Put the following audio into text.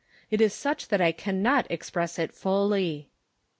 It is such that I can not ex press it fully.